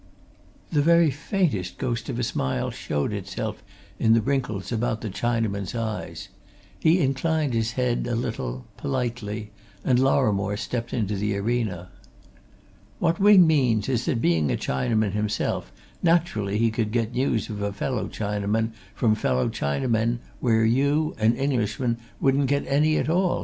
The very faintest ghost of a smile showed itself in the wrinkles about the Chinaman's eyes. He inclined his head a little, politely, and Lorrimore stepped into the arena. "What Wing means is that being a Chinaman himself, naturally he could get news of a fellow Chinaman from fellow Chinamen where you, an Englishman, wouldn't get any at all!"